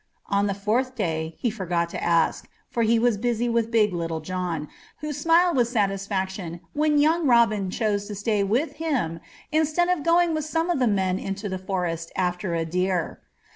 On the fourth day he forgot to ask, for he was busy with big Little John, who smiled with satisfaction when young Robin chose to stay with him instead of going with some of the men into the forest after a deer.